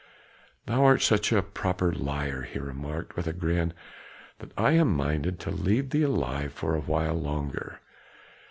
"Thou art such a proper liar," he remarked with a grin, "that I am minded to leave thee alive for a while longer."